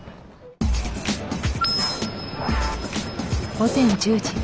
午前１０時。